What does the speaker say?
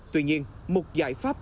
tuy nhiên một giải pháp